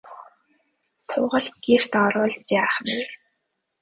Тугал гэрт оруулж яах нь вэ?